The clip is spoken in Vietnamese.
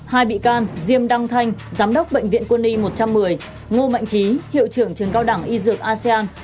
hai bị can diêm đăng thanh giám đốc bệnh viện quân y một trăm một mươi ngô mạnh trí hiệu trưởng trường cao đẳng y dược asean